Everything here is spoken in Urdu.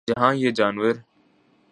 جہاں یہ جانور